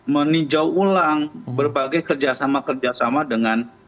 meninjau ulang berbagai kerjasama kerjasama dengan